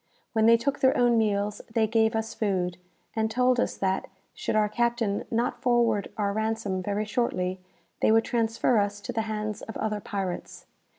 When they took their own meals, they gave us food, and told us that, should our captain not forward our ransom very shortly, they would transfer us to the hands of other pirates.